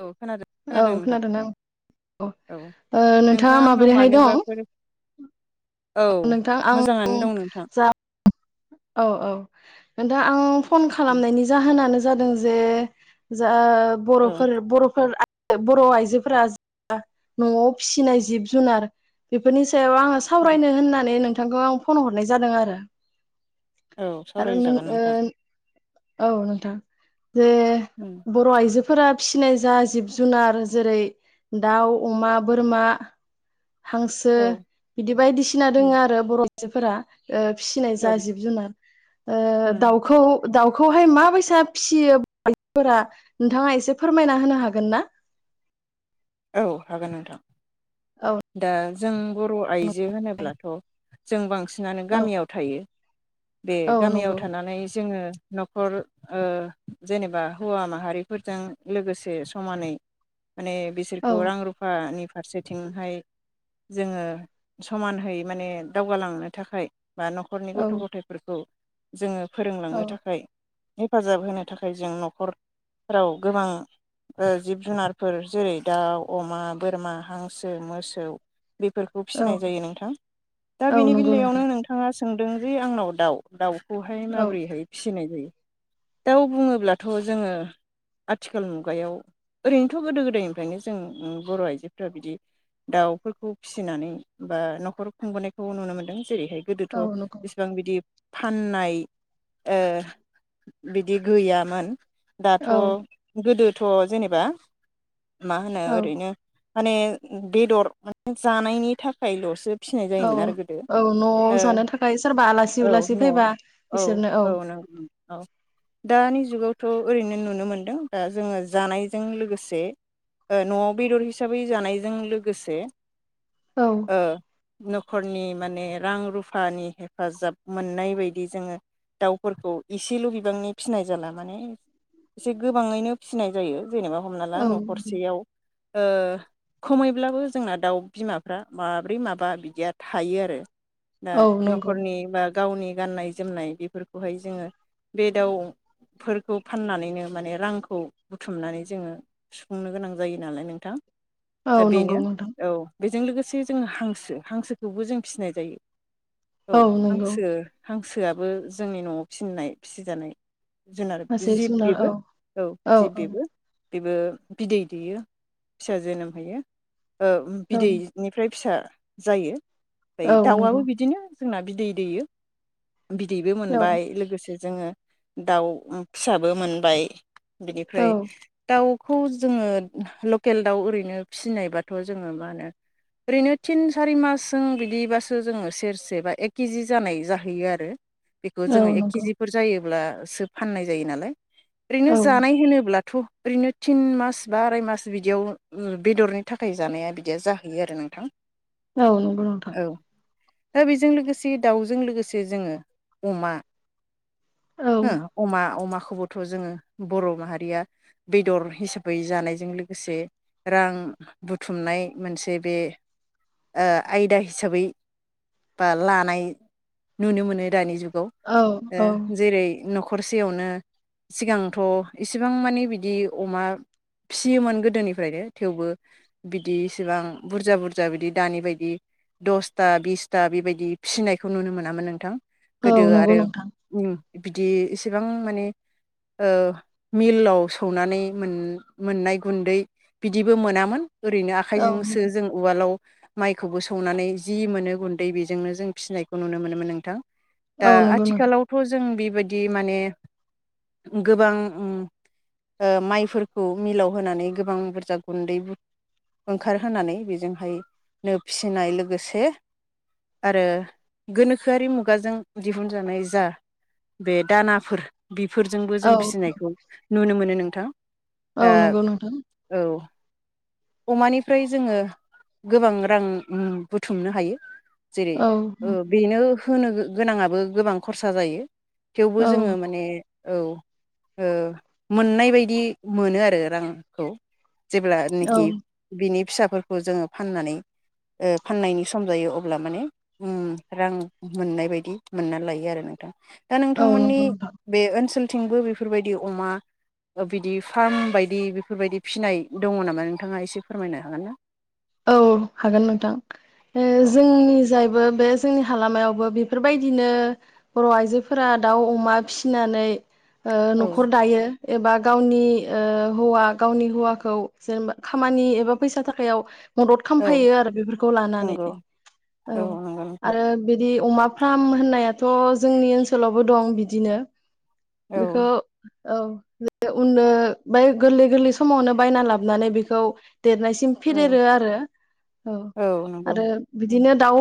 औ खोनादों खोनादों औ नोंथां खोनादोंना औ ओ नोंथाङा आंनाव माबोरैहाय दं मानोबाफोर औ नोंथां आं मोजाङानो दं नोंथां। जा औ- औ- नोंथा आं। फन खालामनायनि जाहोनानो। जादों जे जा औ बर'फोर बर'फोर आ बर' आइजोफोरा न'आव फिसिनाय जिब जुनार बेफोरनि सायाव आङो सावरायनो होननानै नों थांखौ आं फन हरनाय जादों आरो। औ आरो नों सावरायजागोन नोंथां। ओ औ नोंथां जे औ बर आइजो फोरा फिसिनाय जा जिब जुनार जेरै- दाउ अमा बोरमा हांसो बिदि बायदिसिना दोङो आरो बर- जोफोरा फिसिनाय औ जा जिब जुनार ओ दाउखौ दाउ खौहाय माबायसा फिसियो [unintelligible] फोरा नोंथाङा एसे फोरमायना होनो हागोन ना? औ हागोन नोंथां। औ दा जों बर'आइजो होनोब्लाथ' जों बां सिनानो औ गामियाव थायो। बे औ गामियाव नंगौ थानानै जोङो न'खर ओ जेनेबा हौवा माहारिफोरजों लोगोसे समानै माने बि औ खौ रां रुफानि फारसेथिंहाय जोङो समानहै माने दावगालांनो थाखाय बा न'खरनि औ गथ' गथायफोरखौ जोङो औ फोरोंलांनो थाखाय हेफाजाब होनो थाखाय जों न'खरफोराव गोबां ओ जिब जुनारफोर जेरै- दाउ अमा बोरमा हांसो मोसौ बेफोरखौ औ फिसिनाय जायो नोंथां दा औ बेनि नंगौ बेलायावनो नोंथां नोंथाङा सोंदों जि आंनाव दाउ दाउ खौहाय औ माबोरैहाय फिसिनाय जायो। दाउ बुङोब्लाथ' जोङो आथिखाल मुगायाव ओरैनोथ' गोदो गोदाय निफ्रायनो जों बर' आइजोफोरा बिदि दाउफोरखौ फिसिनानै बा न'खर खुंबोनायखौ नुनो मोनदों जेरैहाय- गोदोथ' औ नंगौ इसिबां बिदि फाननाय ओ बिदि गैयामोन दाथ' औ गोदो थ जेनेबा मा होनो औ ओरैनो माने बेदर माने जानायनि थाखायलसो फिसिनाय औ जायोमोन आरो गोदो औ न'आव जानो थाखाय सोरबा आलासि ओ-औ उलासि फैबा नआव बिसोरनो औ औ-औ नंगौ दानि जुगाव थ ओरैनो नुनो मोनदों दा जोङो जानायजों लोगोसे नआव बेदर हिसाबै जानायजों लोगोसे औ ओ नखरनि माने रां रुफानि हेफाजाब मोननाय बायदि जोङो दाउफोरखौ इसेल बिबांनि फिसिनाय जाला माने एसे गोबाङैनो फिसिनाय जायो जेनेबा हमना ला औ न हरसेयाव ओ खमैब्लाबो जोंना दाउ बिमाफ्रा माब्रै माबा बिदिया थायो आरो। दा औ नंगौ नखरनि बा गावनि गाननाय जोमनाय बेफोरखौहाय जोंङो बे दाउफोरखौ फाननानैनो माने रांखौ बुथुमनानै जोंङो सुफुंनो गोनां जायो नालाय नोंथां। औ दा नंगौ बेनो नोंथां औ बेजों लोगोसे जोङो हांसो हांसोखौबो जों फिसिनाय जायो। औ हांसो हांसोआबो जोंनि नआव फिनाय फिसिजानाय। जुनार मासे जिब जुनार बेबो औ औ जिब बेबो बिबो बिदै दैेयो फिसा जोनोम होयो। ओ औ बिदैनिफ्राय फिसा जायो औ ओमफ्राय नंगौ दाउआबो बिदिनो जोंना बिदै दैयो। बिदैबो औ मोनबाय लोगोसे जोंङो दाउ फिसाबो मोनबाय। औ बिनिफ्राय दाउ खौ जोङो लकेल दाउ ओरैनो फिसिनायबाथ जोंङो मा होनो ओरैनो थिन सारि मासजों बिदिबासो जोंङो सेरसे बा एक केजि जानाय जाहैयो आरो। बेखौ औ जोङो एक नंगौ केजिफोर जायो अब्लासो फाननाय जायो नालाय। औ ओरैनो जानाय होनोब्लाथ ओरैनो थिन मास बा आराय मास बिदियाव बेदरनि थाखाय जानाया बिदिया जाहैयो आरो नोंथां। औ नोंगौ नोंथां। औ दा बेजों लोगोसे दाउजों लोगोसे जोंङो अमा औ हो अमा अमाखौ खौबोथ जोंङो बर माहारिया बेदर हिसाबै जानायजों लोगोसे रां बुथुमनाय मोनसे बे ओ आयदा हिसाबै बा लानाय नुनो मोनो दानि जुग आव औ औ जेरै नखर नखरसेयावनो सिगांथ' इसिबां मानि बिदि अमा फिसियोमोन गोदोनिफ्रायनो थेवबो बिदि इसिबां बुरजा बुरजा बिदि दानि बायदि दसथा बिसथा बेबायदि फिसिनायखौ नुनो मोनामोन नोंथां। औ गोदो नंगौ आरो नोंथां उम बिदि इसेबां माने ओ मिलाव सौनानै मोन मोननाय गुन्दै बिदिबो मोनामोन ओरैनो आखाइ औ जोंसो जों उवालाव माइखौबो सौनानै जि मोनो गुन्दै बेजोंनो जों फिनायखौ नुनो मोनोमोन नोंथां। दा औ नंगौ नोंथां आथिखालावथ' जों बे बेफोर बायदि माने गोबां उम ओ माइफोर खौ मिलाव होनानै गोबां बुरजा गुन्दै ओंखार होनानै बेजोंहाय नो फिसिनाय लोगोसे आरो गोनोखोआरि मुगाजों दिहुनजानाय जा बे दानाफोर बेफोरजोंबो औ जों फिसिनायखौ नुनो मोनो नों थां। औ आ नंगौ नोंथां औ। अमानिफ्राय जोङो गोबां रां उम ओ बुथुमनो हायो। जेरै औ ओ बेनो हो होनो गोनांङाबो गोबां खरसा जायो। थेवबो औ जोङो माने औ ओ मोननाय बायदि मोनो आरो रां खौ। जेब्ला औ निखि बिनि फिसाफोरखौ जोङो फाननानै ओ फाननायनि सम जायो अब्ला माने उम रां मोननाय बायदि मोननानै लायो आरो नोंथां। दा नोंथां औ मोननि नंगौ नोंथां बे ओनसोल थिंबो बेफोर बायदि अमा बिदि फार्म बायदि बेफोर बायदि फिसिनाय दंङ नामा नोंथांङा एसे फोरमायनो हागोन ना? औ हागोन नोंथां ओ औ जोंनि जायबो बे जोंनि हालामायावबो बेफोरबायदिनो बर' आइजोफोरा दाउ अमा फिनानै ओ औ न'खर दायो। एबा गावनि ओ हौवा गावनि हौवाखौ जेनेबा खामानि एबा फैसा थाखायाव मदद औ खामफायो आरो बेफोरखौ लानानै नंगौ औ नंगौ नोंथां आरो बिदि अमा फार्म होननायाथ' जोंनि ओनसोलावबो दं बिदिनो। औ बेखौ औ बे उननो बाय गोरलै गोरलै समावनो बायना लाबोनानै बेखौ देरनायसिम औ फेदेरो आ औ आरो उम बिदिनो दाउ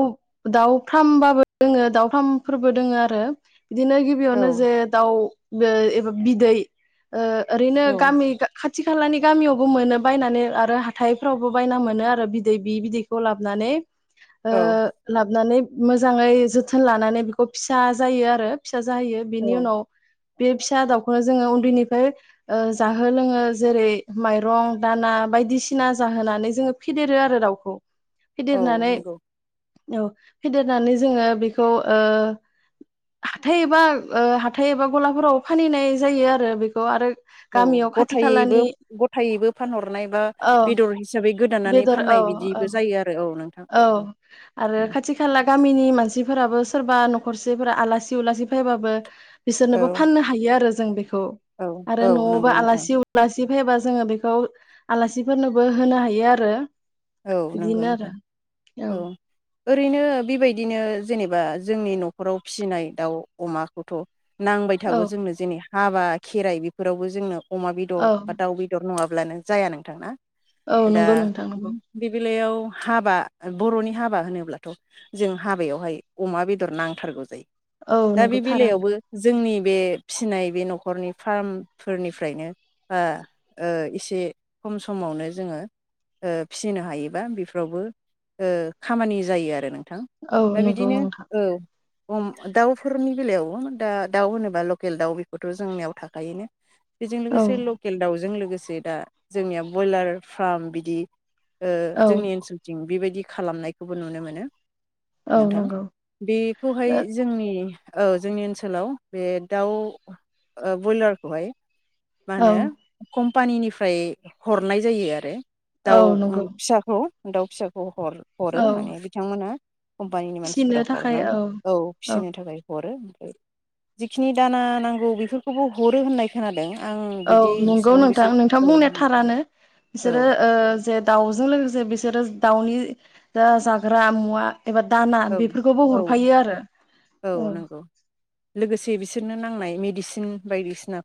दाउ फार्म बाबो दोङो दाउ फार्मफोरबो दोङो आरो बिदिनो औ गिबियावनो जे दाउ बो एबा बिदै ओ ओरैनो गामि खाथि खाथि खालानि गामियावबो मोनो बायनानै आरो हाथायफ्रावबो बायना मोनो आरो बिदै बि बिदैखौ लाबनानै ओ औ लाबनानै मोजाङै जोथोन लानानै बेखौ फिसा जायो आरो फि जाहैयो बिनि औ उनाव बे फिसा दाउखौनो जोङो उन्दैनिफ्राय जाहो लोङो जेरै माइरं दाना बायदिसिना जाहोनानै जोङो फेदेरो आरो दाउखौ औ फेदेरनानै नंगौ औ फेदेरनानै जोङो बेखौ ओ हाथाय एबा हाथाय एबा गलाफोराव फानहैनाय जायो आरो बेखौ आरो औ गामियाव खाथि गथायैबो खालानि गथायैबो फानहरनाय बा औ बेदर हिसाबै गोदान नानै बेदर औ फाननाय औ बिदिबो जायो आरो औ नोंथां औ आरो खाथि खाला गामिनि मानसिफोराबो सोरबा न'खरसेफोरा आलासि उलासि फैबाबो बिसोरनोबो औ फाननो हायो आरो जों बेखौ औ [unintelligible] आरो औ नंगौ न'आवबो नोंथां आलासि उलासि सि फैबा जोङो बेखौ आलासिफोरनोबो होनो हायो आरो औ नंगौ बिदिनो आरो नोंथां औ ओरैनो बेबायदिनो जेनेबा जोंनि न'खराव फिसिनाय दाउ अमाखौथ' नांबाय औ थागौ जोंनो जेने हाबा खेराइ बेफोरावबो जोंनो अमा औ बेदर बा दाउ बेदर नङाबा अब्लानो जाया नोंथांना औ दा नंगौ नोंथां नंगौ बे बेलायाव हाबा बर'नि हाबा होनोब्लाथ' जों हाबायावहाय अमा बेदर नांथारगौ जायो औ दा बे नंगौ थारानो बेलायावबो जोंनि बे फिसिनाय बे न'खरनि फार्मफोरनिफ्रायनो ओ ओ एसे खम समावनो जोङो ओ फिसिनो हायोबा बेफोरावबो ओ खामानि जायो आरो थां औ दा नंगौ बिदिनो नोंथां औ दाउफोरनि बेलायाव दा दाउ होनोबा लकेल दाउ बेखौथ' जोंनियाव थाखोयोनो बेजों औ लोगोसे लकेल दाउजों लोगोस बे दा जोंनिया ब्रयलार फार्म बिदि ओ औ जोंनि ओनसोलथिं बेबाय बिदि खालामनायखौबो नुनो मोनो। औ नोंथां नंगौ बेखौहाय जोंनि औ जोंनि ओनसोलाव बे दाउ ब्रयलारखौहाय मा औ होनो खम पानिनिफ्राय हरनाय जायो आरो दाउ औ नंगौ फिसाखौ दाउ फिसाखौ हर-हरो औ माने बिथांमोना कम्पानिनि मानसिफोरा फिसिनो थाखाय हरनानै औ फिसिनो थाखाय हरो जिखिनि दाना नांगौ बेफोरखौबो हरो होननाय खोनादों आं औ बिदि नंगौ इसिबां नोंथां बिसोर नोंथां बुंनाय थारानो औ बिसोरो जे दाउजों लोगोसे बिसोरो दाउनि जाग्रा मुवा एबा दाना औ बेफोरखौबो औ हरफायो आरो औ नंगौ लोगोसे बिसोरनो नां नाय मेडिसिन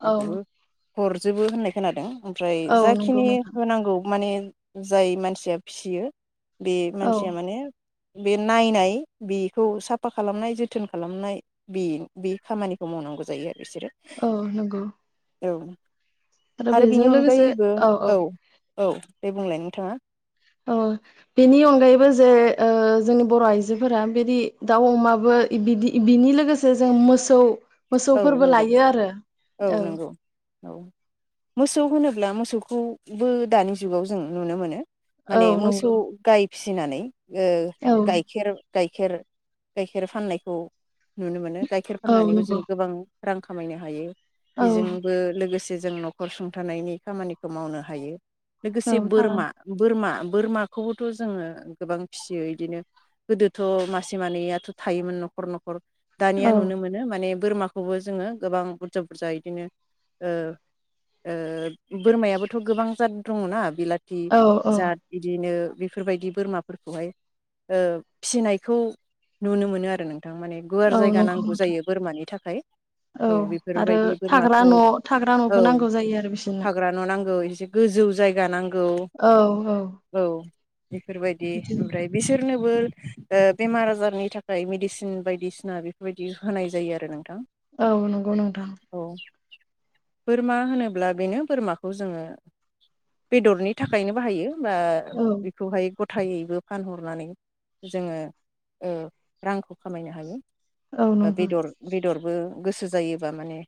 औ हरजोबो होननाय खोनादों। ओमफ्राय औ नंगौ जाखिनि नोंथां होनांगौ माने जाय मानसिया फिसियो बे औ मानसिया माने बे नायनाय बेखौ साफा खालामनाय ज जोथोन खालामनाय बे बे खामानिखौ मावनांगौ जायो आरो बिसोरो औ नंगौ औ आरो बेजों लोगोसे औ औ औ दे बुंलाय नोंथाङा औ बेनि अनगायैबो जे ओ जोंनि बर' आइजोफोरा बिदि दाउ अमाबो बिदि बिनि लोगोसे जों मोसौ औ मोसौफोरबो नंगौ लायो आरो औ नंगौ औ मोसौ होनोब्ला मोसौ खौबो दानि जुगाव जों नुनो मोनो औ माने मोसौ नंगौ गाय फिसिनानै ओ औ गाइखेर गाइखेर गाइखेर फाननायखौ नुनो मोनो गाइखेर औ फाननानैबो नंगौ जों रां खामायनो हायो औ बेजोंबो लोगोसे जों नखर सुंथानायनि खामानिखौ मावनो हायो औ लोगोसे थार बोरमा बोरमा बोरमाखौबोथ' जोङो गोबां फिसियो इदिनो गोदोथ' मासे मानैयाथ' थायोमोन न'खर न'खर दानिया औ नुनो मोनो माने बोरमाखौबो जोङो गोबां बुरजा बुरजा इदिनो ओ ओ बोरमायाबोथ' गोबां दङ'ना बिला ति औ औ जाद बिदिनो बेफोरबायदि बोरमाफोरखौहाय ओ फिसिनायखौ नुनो मोनो आरो नों थां माने गुवार औ जायगा नंगौ नांगौ नोंथां जायो बोरमानि थाख औ आरो बेफोरबायदि थाग्रा बोरमाखौ न' थाग्रा औ न'बो नांगौ जायो आरो बिसोरनो थाग्रा न' नांगौ एसे गोजौ जायगा नांगौ औ बेफोरबायदि बिदिनो ओमफ्राय बिसोर नोबो ओ बेमार आजारनि थाखाय मेडिसिन बायदिसिना बेफोरबायदि होनाय जायो आरो नों औ नंगौ नोंथां बोरमा होनोब्ला बेनो बोरमाखौ जोङो बेदरनि थाखायनो बाहायो होनबा औ बेखौहाय गथ थायैबो फानहरनानै जोङो ओ रांखौ खामायनो हायो औ नंगौ बो गोसो जायोबा माने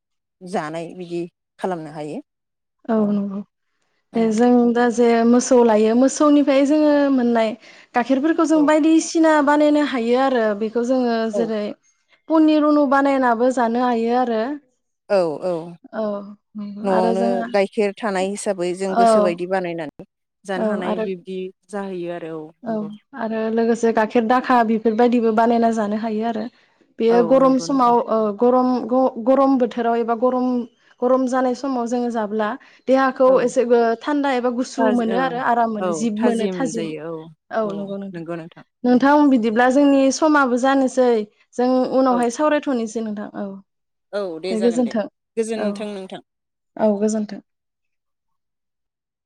जानाय बिदि खालामनो हायो औ नंगौ औ दे जों दा जे मोसौ लायो मोसौनिफ्राय जोङो मोननाय गाइखेरफोरखौ जों बायदिसिना बानायनो हायो आरो बे खौ जोङो औ जेरै पनिर उनु बानायनाबो जानो हायो आरो औ औ नंगौ आरो नआवनो जोंहा गाइखेर थानाय हिसाबै जों औ गोसोबायदि बानायनानै जानो औ हानाय आरो बिबदि जाहैयो आरो औ आरो लोगोसे जे गाइखेर दाखा बेफोरबायदिबो बानायना जानो हायो आरो बेयो औ गरम नंगौ नोंथां समाव ओ गरम ग गरम बोथोराव एबा गरम गरम जानाय समाव जोङो जाब्ला देहाखौ औ एसे गो ओ थान्दा एबा गुसु औ मोनो आरो आराम मोनो जिब मोनो थाजिम औ नंगौ नोंथां नोंथां बिदि बिब्ला जोंनि समाबो जानोसै जों औ उनावहाय सावरायथनोस दे नोंथां औ औ दे बे जागोन दे गोजोनथों औ गोजोन्थों नोंथां औ गोजोनथों